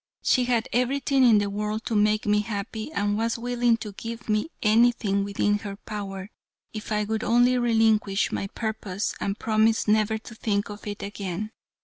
She had everything in the world to make me happy and was willing to give me anything within her power, if I would only relinquish my purpose and promise never to think of it again.